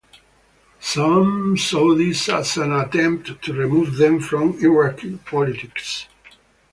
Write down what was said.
Some saw this as an attempt to remove them from Iraqi politics.